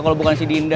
kalau bukan si dinda